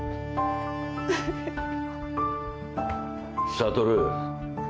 悟。